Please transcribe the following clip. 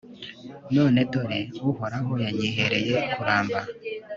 none dore, uhoraho yanyihereye kuramba